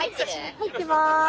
入ってます。